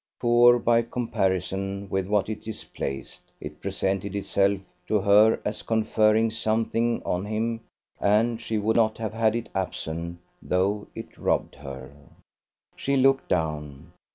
Poor by comparison with what it displaced, it presented itself to her as conferring something on him, and she would not have had it absent though it robbed her. She looked down.